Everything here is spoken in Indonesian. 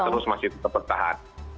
terus masih tetap bertahan